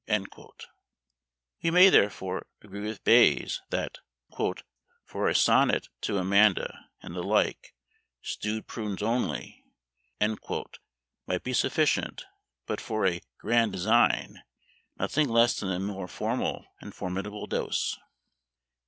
We may, therefore, agree with Bayes, that "for a sonnet to Amanda, and the like, stewed prunes only" might be sufficient; but for "a grand design," nothing less than a more formal and formidable dose.